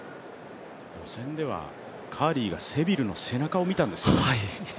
予選ではカーリーがセビルの背中を見たんですよね。